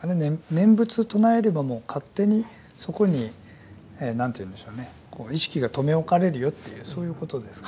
念仏唱えればもう勝手にそこに何ていうんでしょうねこう意識が留め置かれるよというそういうことですかね。